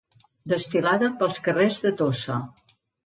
Desfilada pels carrers de Tossa.